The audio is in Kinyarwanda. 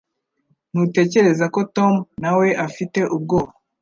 Ntutekereza ko Tom nawe afite ubwoba